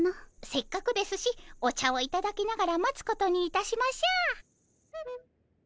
せっかくですしお茶をいただきながら待つことにいたしましょう。